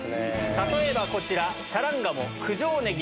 例えばこちら。